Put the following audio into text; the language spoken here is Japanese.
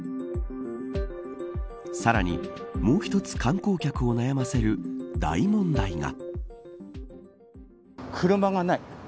さらに、もう一つ観光客を悩ませる大問題が。